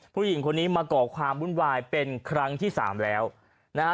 ผู้หญิงคนนี้มาก่อความวุ่นวายเป็นครั้งที่สามแล้วนะฮะ